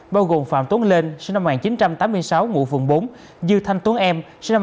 bao gồm phạm tuấn lên dư thanh tuấn em